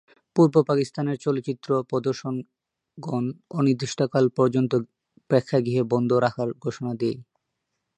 পূর্ব পাকিস্তানের চলচ্চিত্র প্রদর্শকগণ অনির্দিষ্টকাল পর্যন্ত প্রেক্ষাগৃহ বন্ধ রাখার ঘোষণা দেয়।